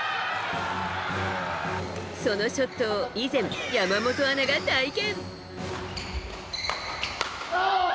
そのショットを以前、山本アナが体験。